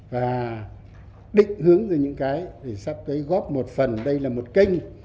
và định hướng ra những cái để sắp tới góp một phần đây là một kênh